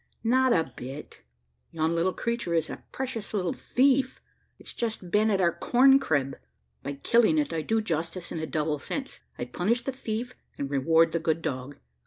"Not a bit. Yon little creature is a precious little thief; it's just been at our corn crib. By killing it, I do justice in a double sense: I punish the thief, and reward the good dog.